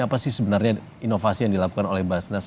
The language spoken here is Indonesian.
apa sih sebenarnya inovasi yang dilakukan oleh basnas